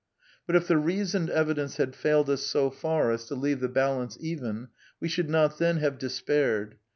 But, if the reasoned evidence had failed us so far as to leave the balance even, we should not then have despaired.